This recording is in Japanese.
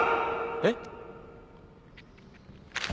えっ？